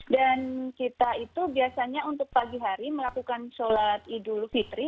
dan kita itu biasanya untuk pagi hari melakukan sholat idul fitri